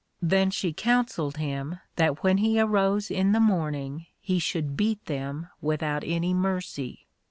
Then she counselled him that when he arose in the morning he should beat them without any mercy.